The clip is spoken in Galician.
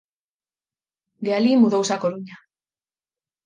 De alí mudouse á Coruña.